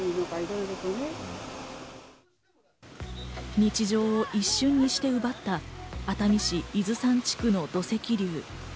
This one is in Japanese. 日常を一瞬にして奪った熱海市伊豆山地区の土石流。